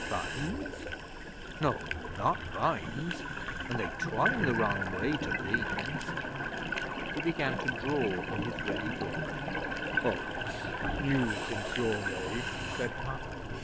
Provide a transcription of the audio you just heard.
Vines? No, not vines, and they twine the wrong way to beans.' He began to draw in his ready book. 'Hops. New since your day,' said Puck.